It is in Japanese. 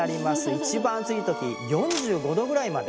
一番暑い時４５度ぐらいまで。